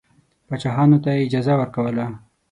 پاچاهانو ته اجازه ورکوله.